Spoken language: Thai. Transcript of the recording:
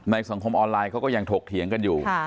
สังคมออนไลน์เขาก็ยังถกเถียงกันอยู่